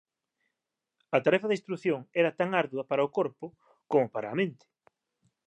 A tarefa da instrución era tan ardua para o corpo coma para a mente.